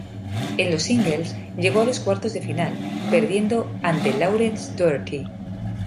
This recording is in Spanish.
En los singles, llegó a los cuartos de final, perdiendo ante Laurence Doherty.